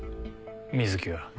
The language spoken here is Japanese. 水木は？